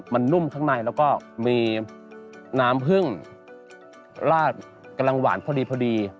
มันนุ่มข้างในแล้วก็มีน้ำผึ้งราดกำลังหวานพอดีพอดี